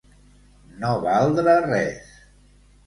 No valdre res.